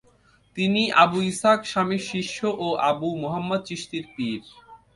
তিনি আবু ইসহাক শামীর শিষ্য ও আবু মুহাম্মদ চিশতীর পীর।